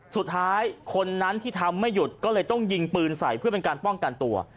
สุดท้ายคนนั้นที่ทำไม่หยุดก็เลยต้องยิงปืนใส่เพื่อเป็นการป้องกันตัว